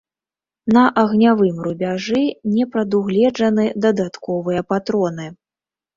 На агнявым рубяжы не прадугледжаны дадатковыя патроны.